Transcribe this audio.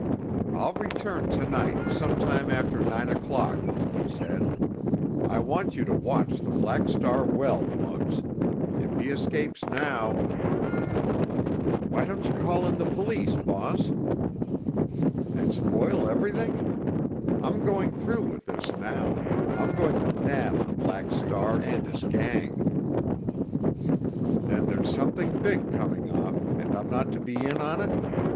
"I'll return to night, some time after nine o'clock," he said. "I want you to watch the Black Star well, Muggs. If he escapes now——" "Why don't you call in the police, boss?" "And spoil everything? I'm going through with this now—I'm going to nab the Black Star and his gang." "Then there's something big coming off, and I'm not to be in on it?"